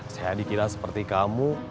saya dikira seperti kamu